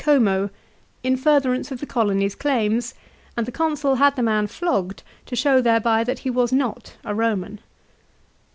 Como, in furtherance of the Colony's claims, and the Con sul had the man flogged to show thereby that he was not a Eoman.